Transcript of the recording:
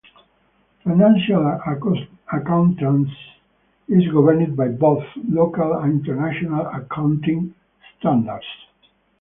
Financial accountancy is governed by both local and international accounting standards.